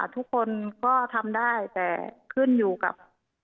ทุกคนก็ทำได้แต่ขึ้นอยู่กับ